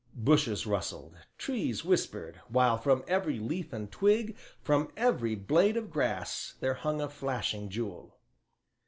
Bushes rustled, trees whispered, while from every leaf and twig, from every blade of grass, there hung a flashing jewel.